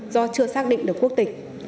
do chưa xác định được quốc tịch